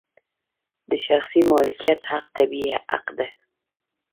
د شخصي مالکیت حق طبیعي حق دی.